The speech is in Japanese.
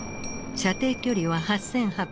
射程距離は８，８００ｋｍ。